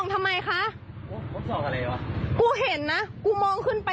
กลับมาช่วยนะนะ